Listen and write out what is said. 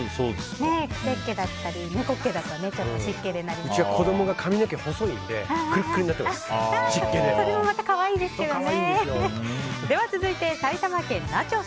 癖っ毛だったり猫っ毛だとうちの子供は髪の毛が細いのでそれもまた可愛いですよね。